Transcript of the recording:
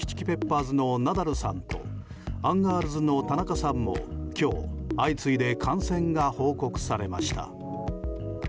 ペッパーズのナダルさんとアンガールズの田中さんも今日、相次いで感染が報告されました。